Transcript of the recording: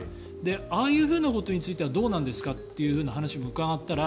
ああいうふうなことについてはどうなんですかというお話も伺ったら